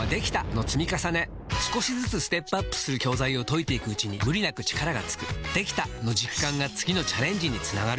少しずつステップアップする教材を解いていくうちに無理なく力がつく「できた！」の実感が次のチャレンジにつながるよし！